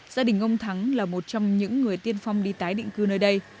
gia đình ông thắng là một trong những người tiên phong đi tái định cư nơi đây